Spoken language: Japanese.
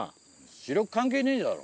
視力関係ねえじゃろ。